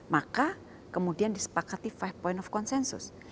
maka kemudian disepakati lima point of consensus